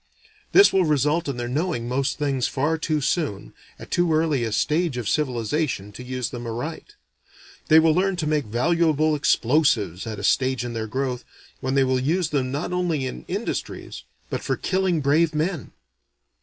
This will result in their knowing most things far too soon, at too early a stage of civilization to use them aright. They will learn to make valuable explosives at a stage in their growth, when they will use them not only in industries, but for killing brave men.